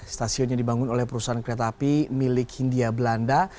stasiun yang dibangun oleh perusahaan kereta api milik hindia belanda